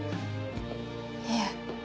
いえ。